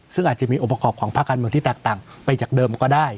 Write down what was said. ซึ่งอาจจะมีองค์ประกอบของภาคการเมืองที่แตกต่างไปจากเดิมก็ได้